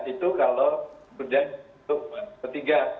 itu kalau kemudian untuk ketiga